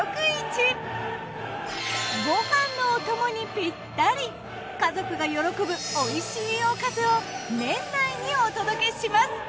ご飯のお供にぴったり家族が喜ぶおいしいおかずを年内にお届けします